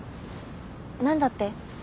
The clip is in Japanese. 何だって？